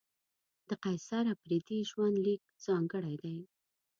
د قیصر اپریدي ژوند لیک ځانګړی دی.